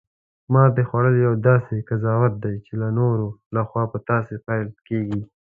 ماتې خوړل یو داسې قضاوت دی، چی د نورو لخوا په تاسې تپل کیږي